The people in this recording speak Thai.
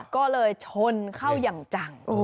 ก็เลยชนเข้าอย่างจัง